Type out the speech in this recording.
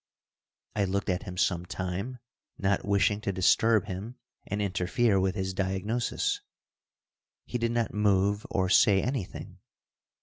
I looked at him some time, not wishing to disturb him and interfere with his diagnosis. He did not move or say anything.